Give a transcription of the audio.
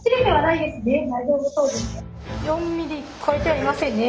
４ミリ超えてはいませんね